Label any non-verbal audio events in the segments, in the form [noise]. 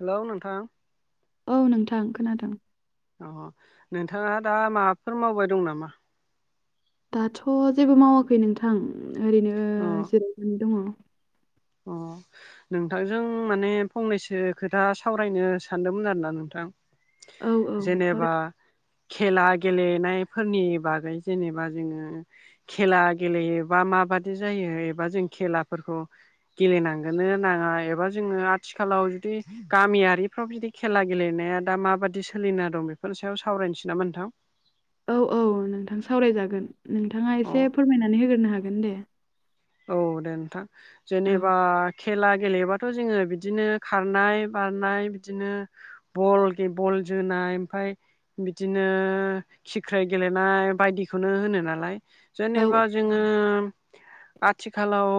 Hello नोंथां? औ नोंथां खोनादों। अ नोंथाङा दा माबाफोर मावबाय दं नामा? दाथ' जेबो मावाखै नोंथां ओरैनो अ जिरायनानै दङ। अ नोंथांजों माने फंनैसो खोथा सावरायनो सानदोंमोन आरोना नोंथां। औ सावराय जेनेबा खेला गेलेनायफोरनि बागै जेनेबा जोङो खेला गेलेयोबा माबादि जायो एबा जों खेलाफोरखौ गेलेनांगोनो नाङा एबा जोङो आथिखालाव जुदि गामियारिफ्राव बिदि खेला गेलेनाया दा माबादि सोलिना दं बेफोरनि सायाव सावरायनोसै नामा नोंथां? औ औ नोंथां सावरायजागोन नोंथाङा अ एसे फोरमायनानै होग्रोनो हागोन दे। औ दे नोंथां। औ जेनेबा खेला गेलेबाथ' जोङो बिदिनो खारनाय बारनाय बिदिनो बल गे बल जोनाय ओमफाय बिदिनो खिख्रे गेलेनाय बायदिखौनो होनो नालाय औ औ जेनेबा जोङो आथिखालाव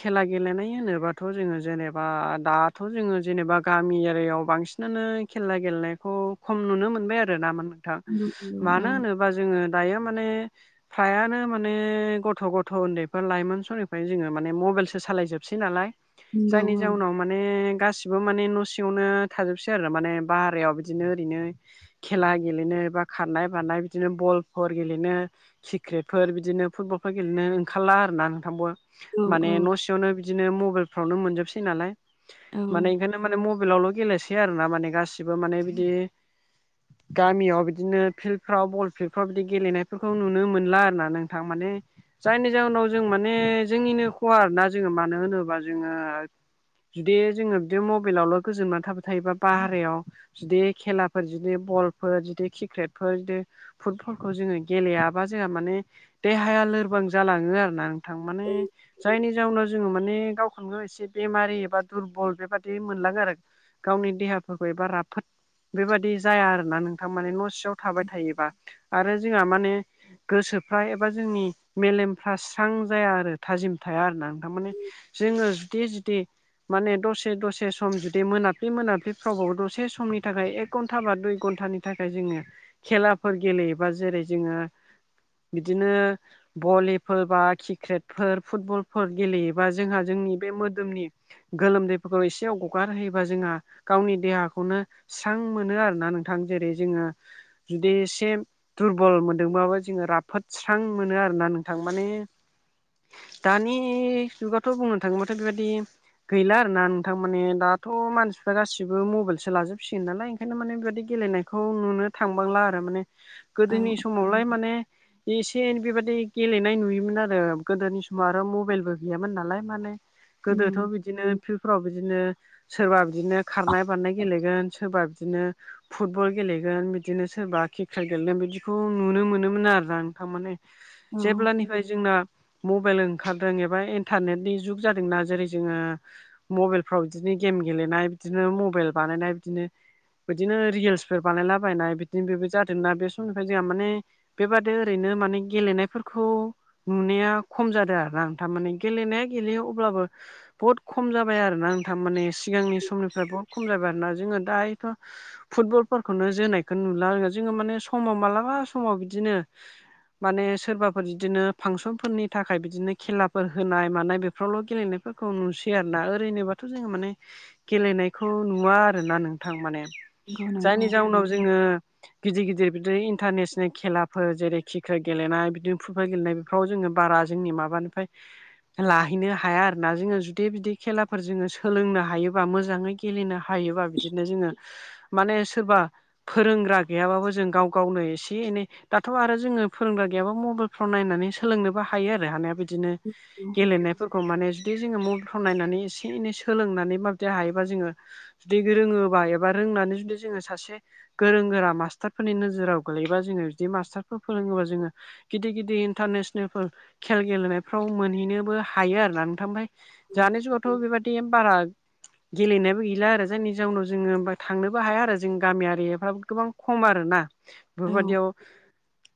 खेला गेलेनाय होनोबाथ' जोङो जेनेबा दा थ' जोङो जेनेबा गामि एरियायाव बांसिनानो खेला गेलेनायखौ खम नुनो मोनबाय आरो ना मोन थां नंगौ औ मानो होनो बा जोङो दायो माने प्रायानो माने गथ' गथ' उनदैफोर लाइमोन स निफ्राय जों म मबाइलसो सालायजोबसै नालाय नंगौ जायनि औ जाउनाव माने गासिबो माने न' सिङावनो थाजोबसै आरो माने बाहेरायाव बिदिनो ओरैनो खेला गेलेनो बा खारनाय बारनाय बिदिनो बलफोर गेलेनो किक्रेटफोर बिदिनो फुटबलफोर गेलेनो ओंखारला आर ना। औ [inaudible] माने न' सिङावनो बिदिनो मबाइलफ्रावनो मोनजोबसै नालाय औ माने ओंखायनो माने मबाइलावल' गेलेसै आरो ना माने गासिबो माने बिदि गामियाव बिदिनो फिल्डफ्राव बल फिल्डफ्राव बिदि गेलेनायफोरखौ नुनो मोनला आरोना नोंथां। माने जायनि जाहोनाव जों माने जोंनिनो खहा आरोना जोङो मानो होनोब्ला जोङो जुदि जोङो बिदि मबाइलावल' गोजोमना थाबाय थायोबा बाह्रायाव बिदि खेलाफोर जुदि बलफोर जुदि क्रिकेटफोर जुदि फुटफरखौ जोङो गेलेयाबा जोंहा माने देहाया लोरबां जालाङो आरो ना थां माने जायनि जाउनाव जोङो माने गावखौनो गाव एसे बेमारि एबा दुरबल बेबादि मोनलाङो आरो गावनि देहाफोरखौ एबा राफोद बेबादि जाया आरोना नोंथां। माने न' सियाव थाबाय थायोबा आरो जोंहा माने गोसोफ्रा एबा जोंनि मेलेमफ्रा स्रां जाया आरो थाजिम थाया आरो ना नोंथां। माने जोङो जुदि जुदि माने दसे दसे सम जुदि मोनाब्लि मोनाब्लिफ्रावबो दसे समनि थाखाय एक एक घन्टा बा दुइ घन्टानि थाखाय जोङो खेलाफोर गेलेयोबा जेरै जोङो बिदिनो भलिफोर बा कि क्रेटफोर, फुटबलफोर गेलेयोबा जोंहा जोंनि बे मोदोमनि गोलोमदैफोरखौ एसेव गगारहोयोबा जोंहा गावनि देहाखौनो स्रां मोनो आरो ना नोंथां। जेरै जोङो जुदि एसे दुरबल मोनदोंबाबो जोङो राफोद स्रां मोनो आरोना नोंथां माने दानि जुगावथ' बुंनो थाङोबाथ बेबायदि गैला आरो ना नोंथां माने दाथ' मानसिफ्रा गासिबो मबाइलसो लाजोबसिगोन नालाय ओंखायनो माने बेबायदि गेलेनाय खौ नुनो थांबांला आरो माने औ गोदोनि समावलाय माने एसे एनै बेबादि गेलेनाय नुयोमोन आरो गोदोनि समाव आरो मबाइलबो गैयामोन नालाय माने गोदोथ' उम बिदिनो फिलफ्राव बिदिनो सोरबा बिदिनो खारनाय बारनाय गेलेगोन सोरबा बिदिनो फुटबल गेलेगोन, बिदिनो सोरबा क्रिकेट गेलेगोन बिदिखौ नुनो मोनोमोन आरो ना नोंथां माने औ जेब्लानिफ्राय जोंना मबाइल ओंखारदों एबा इन्टारनेटनि जुग जादोंना जेरै जोङो मबाइलफ्राव बिदिनो गेम गेलेनाय बिदिनो मबाइल बानायनाय बिदिनो बिदिनो रिल्सफोर बानायलाबायनाय बिदिनो बेबो जादोंना बे समनिफ्राय जोंहा माने बेबादि ओरैनो माने गेलेनायफोरखौ नुनाया खम जादों आरोना नोंथां माने गेलेनाया गेलेयो अब्लाबो बुहुत खम जाबाय आरो ना नोंथां माने सिगांनि समनिफ्राय बहुत खम जाबाय आरो ना जोङो दायोथ' फुटबलफोरखौनो जोनायखौ नुला आरो जोङो माने समाव मालाबा समाव बिदिनो माने सोरबाफोर बिदिनो फांसनफोरनि थाखाय बिदिनो खेलाफोर होनाय मानाय बेफोरावल' गेलेनायफोरखौ नुसै आरोना ओरैनोबा थ' जोङो माने गेलेनायखौ नुवा आरोना नोंथां माने। नंगौ नंगौ जायनि जाउनाव जोङो। गिदिर गिदिर बिदि इन्टारनेसनेल खेलाफोर जेरै क्रिकेट गेलेनाय बिदिनो फुटबल गेलेनाय। फ्राव जोङो बारा जोंनि माबानिफ्राय। लाहैनो हाया आरो ना जोङो जुदि बिुदि खेलाफोर जोङो सोलोंनो हायोबा मोजाङै। गेलेनो हायोबा बिदिनो जोङो माने सोरबा। फोरोंग्रा गैयाबाबो जों गाव गावनो एसे एनै। दाथ' आरो जोङो फोरोंग्रा गैयाबा मबाइल फाव नायनानै। सोलोंनोबो हायो आरो हानाया बिदिनो औ गेलेनायफोरखौ माने। दि जोङो मबाइलफ्राव नायनानै एसे एनै सोलोंनानै माबायदि हायोबा जोङो। जुदि रोङोबा एबा रोंनानै जुदि जोङो सासे गोरों गोरा मास्टारफोरनि नोजोराव गोलैबा जोङो जुदि मास्टारफोर फोरोङोबा जोङो गिदि-गिदि इनथानेस। [unintelligible] खेल गेलेनायफ्राव मोनहैनोबो हायो आरोना नोंथां ओमफ्राय जानि जुगावथ' बेबा दि बारा गेलेनायबो गैला आरो जायनि जााहउनाव जोङो थांनोबो हाया आरो जों गामियारिफ्राबो गोबां खम आरोना। औ बेफोरबायदियाव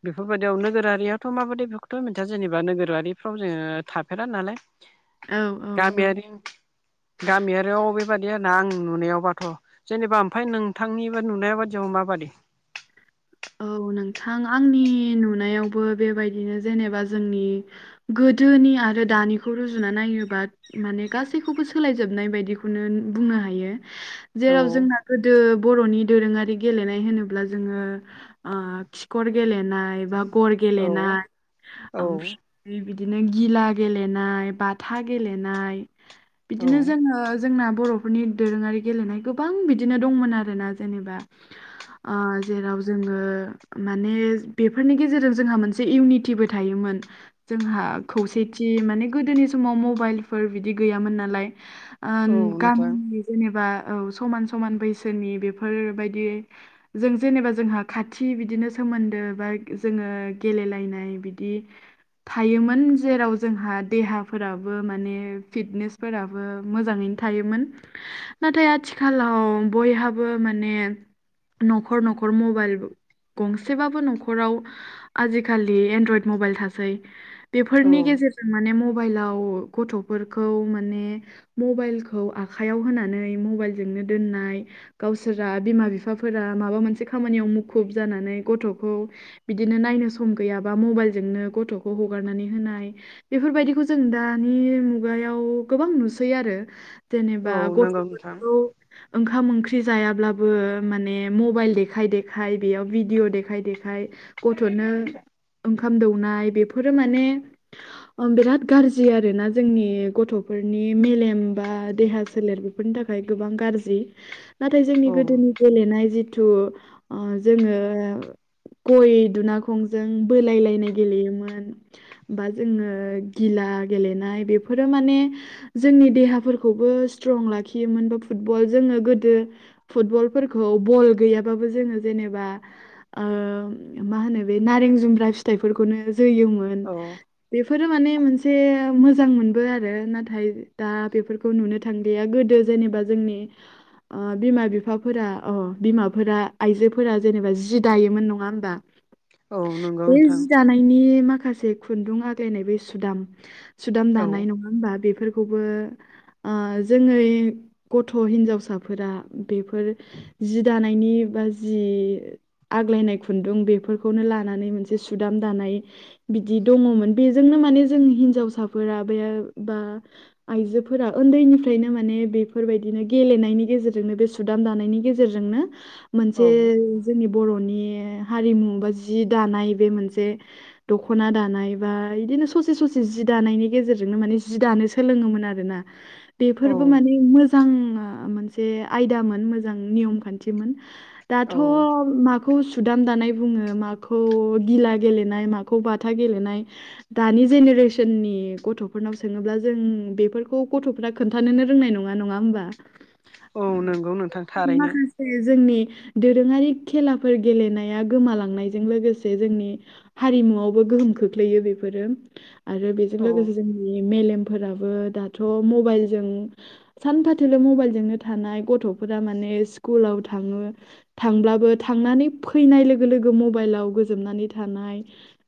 बेफोरबायदियाव नोगोरारियाथ' माबादि बे। [unintelligible] जेनेबा नोगोरारिफ्राव जोङो थाफेरा नालाय। औ औ गामियारि गामियारियाव अबे। बादि आरो ना आं नुनायावबाथ' जेनेबा ओमफ्राय नोंथांनिबो नुनाय बादियाव माबादि? औ नोंथां आंनि नुनायावबो बेबायदिनो जेनेबा जोंनि गोदोनि आरो दानिखौ' जुना नायोबा माने गासैखौबो सोलायजोबनाय बायदिखौनो बुंनो हायो। औ जेराव जोंना गोदो बर'नि दोरोङारि गेलेनाय होनोब्ला जोङो ओ खिखर गेलेनाय, बा गर औ गेलेनाय औ आम बिदिनो गिला गेलेनाय, बाथा गेलेनाय औ बिदिनो जोङो जोंना बर'फोरनि दोरोङारि गेलेनाय गोबां बिदिनो दंमोन आरोना जेनेबा। आ जेराव। जोङो माने बेफोरनि गेजेरजों जोंहा मोनसे इउनिटिबो थायोमोन। जोंहा खौसेथि माने गोदोनि समाव मबाइलफोर बिदि गैयामोन नालाय। औ आन्त गाम नोंथां जेनेबा औ समान समान बैसोनि बेफोरबायदि जों जेनेबा जोंहा खाथि बिदिनो सोमोन्दो बा जोङो गेलेलायनाय बिदि थायोमोन जेराव जोंहा देहाफोराबो माने फिटनेस फोराबो मोजाङैनो थायोमोन। नाथाय आथिखालाव बयहाबो माने न'खर न'खर मबाइल गंसेबाबो न'खराव आजिखालि एनड्रयड मबाइल थासै। औ बेफोरनि गेजेरजों माने मबाइलाव गथ'फोरखौ माने। मबाइलखौ आखाइयाव होनानै मबाइलजोंनो दोननाय। गावसोरा बिमा बिफाफोरा माबा मोनसे खामानियाव मुखुब जानानै गथ'खौ। बिदिनो नायनो सम गैयाबा मबाइलजोंनो गथ'खौ हगारनानै होनाय। बेफोरबायदिखौ जों दानि मुगायाव गोबां नुसै आरो। जेनेबा औ नंगौ नोंथां गथ'फोरखौ ओंखाम ओंख्रि जायाब्लाबो माने मबाइल देखाय दे खाय बेयाव भिडअ देखाय देखाय गथ'नो। ओंखाम दौनाय बेफोरो माने। ओम बेराद गाज्रि आरो ना जोंनि गथ'फोरनि मेलेम बा देहा सोलेर फोरनि थाखाय गोबां गाज्रि नाथाय जोंनि औ गोदोनि गेलेनाय जिथु ओ जोङो गय दुनाखंजों बोलाय लायनाय गेलेयोमोन। बा जोङो गिला गेलेनाय बेफोरो माने जोंनि देहाफोरखौबो स्ट्रं लाखियोमोन बा फुटबल जोङो गोदो फुटबलफोरखौ बल गैयाबाबो जोङो जेनेबा ओ मा होनो बे नारें जुमब्रा फिथाइफोरखौनो जोनयोमोन औ बेफोरो माने मोनसे मोजां मोन बो आरो नाथाय दा बेफोरखौ नुनो थांलिया गोदो जेनेबा जोंनि ओ बिमा बिफाफोरा अ बिमाफोरा आइजोफोरा जेनेबा जि दायोमोन नङा होमबा? औ नंगौ बे नोंथां जि दानायनि माखासे खुन्दुं आग्लायनाय बे सुदाम सुदाम औ दानाय नङा होमबा बेफोरखौबो ओ जों ओरै गथ' हिन्जावसाफोरा बेफोर जि दानायनि बा जि आग्लायनाय खुन्दुं बेफोरखौनो लानानै मोनसे सुदाम दानाय बिदि दङमोन बेजोंनो माने जों हिनजावसाफोर बे बा आइजोफोरा उन्दैनिफ्रायनो माने बेफोरबायदिनो गेलेनायनि गेजेरजोंनो बे सुदाम दानायनि गेजेरजोंनो औ मोनसे जोंनि बर'नि हारिमु बा जि दानाय बे मोनसे दख'ना दानाय बा बिदिनो ससे ससे जि दानायनि गेजेरजोंनो माने जि दानो सोलोङोमोन आरो ना। [inaudible] बेफोरबो माने मोजां मोनसे आयदामोन मोजां नियम खान्थिमोन। दाथ' औ मा खौ सुदाम दानाय बुङो? माखौ गिला गेलेनाय? माखौ बाथा गेलेनाय? दानि जेनेरेसननि गथ'फोरनाव सोङोब्ला जों बेफोरखौ गथ' फ्रा खोनथानो रोंनाय नङा नोङा होमबा? औ नंगौ नोंथां थारैनो। फैयो जोंनि दोरोङारि खेलाफोर गेलेनाया गोमालांनायजों लोगोसे जोंनि हारिमुवआवबो गोहोम खोख्लैयो बेफोरो। आरो बेजों औ लोगोसे जोंनि मेलेमफोराबो दाथ' मबाइलजों सानफाथोलो मबाइलजोंनो थानाय गथ'फोरा माने स्कुलाव था थाङो थांब्लाबो थांनानै फैनाय लोगो लोगो मबाइलाव गोजोमनानै थानाय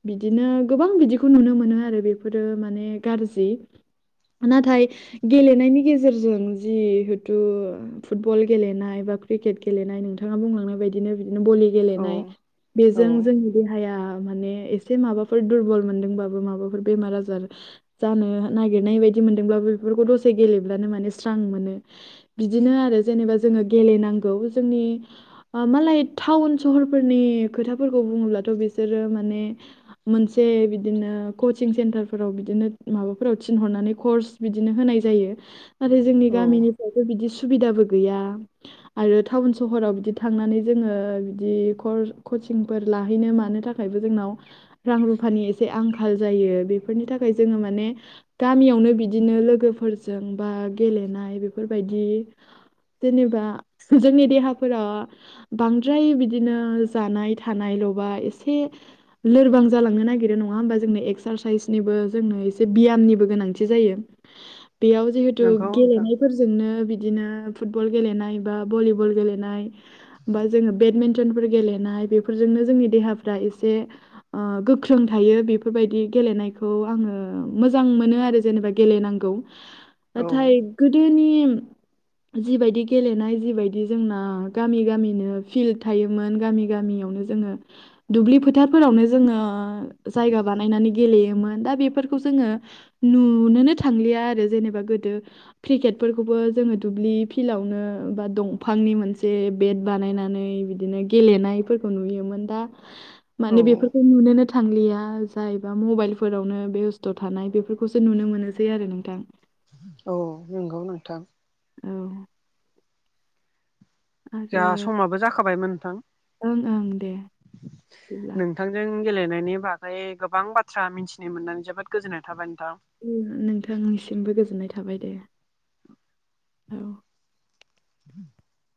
बिदिनो गोबां बिदिखौ नुनो मोनो आरो बेफोरो माने गाज्रि नाथाय गेलेनायनि गेजेरजों जिहेथु फुटबल गेलेनाय बा क्रिकेट गेलेनाय नोंथाङा बुंलांनाय बायदिनो बिदिनो बलि औ गेलेनाय औ बेजों जोंनि देहाया माने एसे माबाफोर दुरबल मोनदोंबाबो माबाफोर बेमार आजार जानो नागिरनाय बायदि मोनदोंब्लाबो बेफोरखौ दसे गेलेब्लानो माने स्रां मोनो। बिदिनो आरो जेनेबा जोङो गेलेनांगौ जोंनि मालाय टाउन सहरफोरनि खोथाफोरखौ बुङोब्लाथ' बिसोरो माने मोनसे बिदिनो कचिं सेन्टारफोराव बिदिनो माबाफोराव थिनहरनानै कर्स बिदिनो होनाय जायो। नाथाय जोंनि औ गामिनिफ्रायथ' बिदि सुबिदाबो गैया आरो टाउन सहराव बिदि थांनानै जोङो बिदि कोर्स कचिंफोर लाहैनो मानो थाखायबो जोंनाव रां रुफानि एसे आंखाल जायो बेफोरनि थाखाय जोङो माने गामियावनो बिदिनो लोगोफोरजों बा गेलेनाय बेफोरबायदि जेनेबा जोंनि देहाफोरा बांद्राय बिदिनो जानाय थानायल'बा एसे लोरबां जालांनो नागिरो नङा होमबा? जोंनो एक्सारसाइसनिबो जोंनो एसे बियामनिबो गोनांथि जायो। बेयाव जिहेथु नंगौ नोंथां गेलेनायफोरजोंनो बिदिनो फुटबल गेलेनाय बा भलिबल गेलेनाय बा जोंङो बेडमिन्टनफोर गेलेनाय बेफोरजोंनो जोंनि देहाफ्रा एसे ओ गोख्रों थायो बेफोरबायदि गेलेनायखौ आंङो मोजां मोनो आरो जेनेबा गेलेनांगौ औ नाथाय गोदोनि जिबायदि गेलेनाय जिबायदि जोंना गामि गामिनो फिल्ड थायोमोन गामि गामियावनो जोंङो दुब्लि फोथारफोरावनो जोंङो जायगा बानायनानै गेलेयोमोन दा बेफोरखौ जोंङो - नुनोनो थांलिया आरो जेनेबा गोदो क्रिकेटफोरखौबो जोंङो दुब्लि फिल्डआवनो बा दंफांनि मोनसे बेट बानायनानै बिदिनो गेलेनायफोरखौ नुयोमोन दा [inaudible] माने बेफोरखौ नुनोनो थांलिया जायबा मबाइलफोरावनो बेस्थ' थानाय बेफोरखौसो नुनो मोनोसै आरो नोंथां। औ नंगौ नोंथां। औ। आरो जोंहा समाबो जाखाबायमोन नोंथां। ओं ओं दे बिदिब्ला। नोंथांजों गेलेनायनि बागै गोबां बाथ्रा मिथिनो मोननानै जोबोद गोजोननाय थाबाय नोंथां। नोंथांनिसिमबो गोजोननाय थाबाय दे औ। [inaudible]